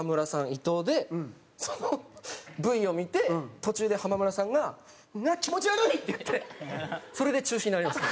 伊藤でそのＶを見て途中で浜村さんが「気持ち悪い！」って言ってそれで中止になりました。